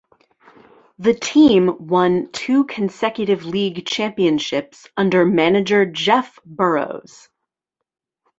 The team won two consecutive league championships under manager Jeff Burroughs.